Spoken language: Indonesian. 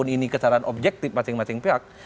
ini kesalahan objektif masing masing pihak